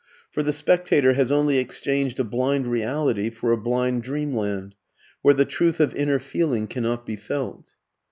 For the spectator has only exchanged a blind reality for a blind dreamland, where the truth of inner feeling cannot be felt.